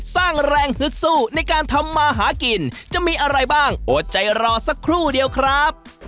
สร้างแรงฮึดสู้ในการทำมาหากินจะมีอะไรบ้างอดใจรอสักครู่เดียวครับ